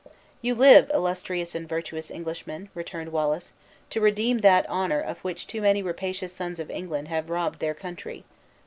"You live, illustrious and virtuous Englishmen," returned Wallace, "to redeem that honor of which too many rapacious sons of England have robbed their country.